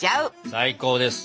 最高です。